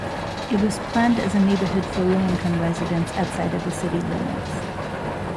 It was planned as a neighborhood for low-income residents outside of the city limits.